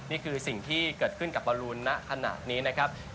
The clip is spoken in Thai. นี่คือสิ่งที่เกิดขึ้นกับบอลลูนณขณะนี้นะครับ